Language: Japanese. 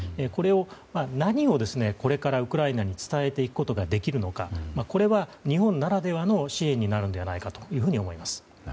これを何をこれからウクライナに伝えていくことができるのかこれは日本ならではの支援になるのではないかと思います。